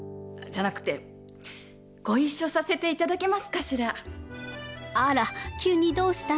じゃなくてご一緒させていただけますかしら？